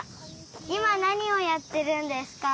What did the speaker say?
いまなにをやってるんですか？